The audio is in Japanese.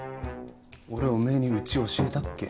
俺おめえにうち教えたっけ？